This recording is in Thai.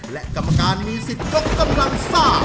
และกรรมการมีสิทธิ์ยกกำลังซ่า